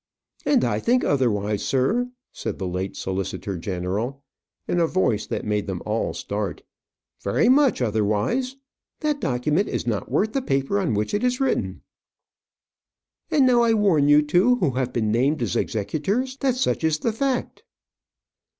"And I think otherwise, sir," said the late solicitor general, in a voice that made them all start. "Very much otherwise. That document is not worth the paper on which it is written. And now, I warn you two, who have been named as executors, that such is the fact."